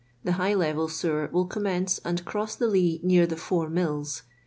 Tbe high level sewer will commence and erou the Lea near the " Four Mills."